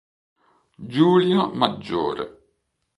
Giulia maggiore